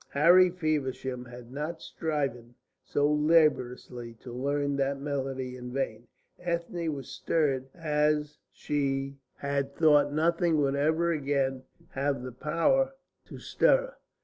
Harry Feversham had not striven so laboriously to learn that melody in vain. Ethne was stirred as she had thought nothing would ever again have the power to stir her.